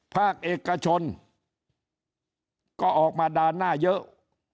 ภาคเอกชนก็ออกมาด่านหน้าเยอะ